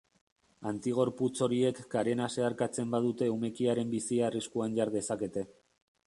Antigorputz horiek karena zeharkatzen badute umekiaren bizia arriskuan jar dezakete.